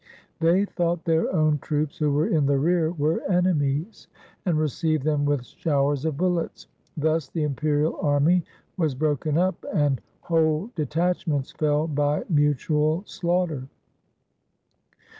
They thought their own troops who were in the rear were enemies, and received them with showers of bullets. Thus the imperial army was broken up and whole detach ments fell by mutual slaughter.